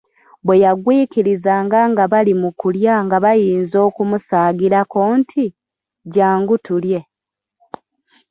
Bwe yagwikirizanga nga bali mu kulya nga bayinza okumusaagirako nti, " jjangu tulye ".